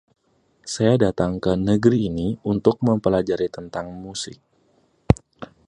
Saya datang ke negeri ini untuk mempelajari tentang musik.